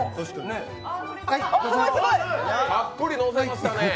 たっぷりのせましたね！